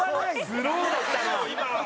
スローだったな。